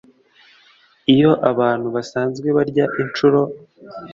iyo abantu basanzwe barya incuro